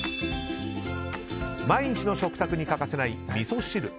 毎日の食卓に欠かせないみそ汁。